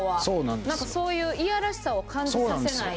そういういやらしさを感じさせない